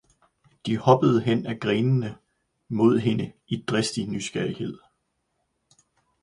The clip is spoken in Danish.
de hoppede hen ad Grenene mod hende i dristig Nysgjerrighed.